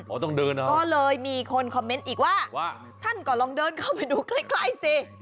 ก็เลยมีคนคอมเมนต์อีกว่าท่านก็ลองเดินเข้าไปดูใกล้สิ